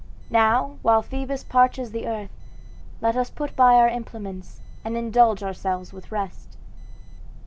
Now, while Phoebus parches the earth, let us put by our implements and indulge ourselves with rest."